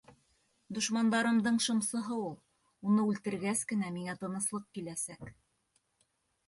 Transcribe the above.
Дошмандарымдың шымсыһы ул. Уны үлтергәс кенә миңә тыныслыҡ киләсәк.